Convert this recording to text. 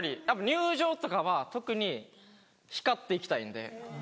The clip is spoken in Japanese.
入場とかは特に光っていきたいんで。